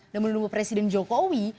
dan menduduk presiden jokowi